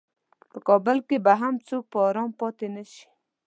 په کابل کې به هم څوک په ارام پاتې نشي.